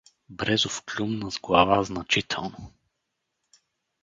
Брезов клюмна с глава значително.